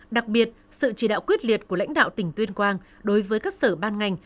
đặc biệt sự chỉ đạo quyết liệt của lãnh đạo tỉnh tuyên quang đối với các sở ban ngành